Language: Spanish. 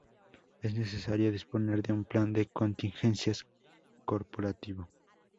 Es necesario disponer de un Plan de Contingencias corporativo.